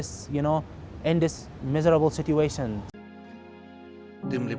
kami berhak untuk selesai dengan situasi yang sedang bersegar